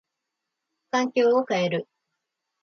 環境を変える。